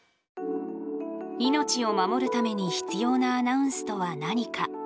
命を守るために必要なアナウンスとは何か。